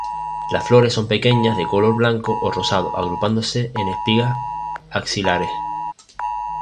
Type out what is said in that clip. Las flores son pequeñas de color blanco o rosado, agrupándose en espigas axilares.